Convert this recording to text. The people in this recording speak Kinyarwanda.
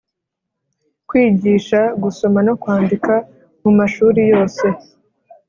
kwigisha gusoma no kwandika mu m’ amashuri yose